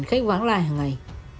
khách vắng lại